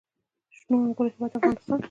د شنو انګورو هیواد افغانستان.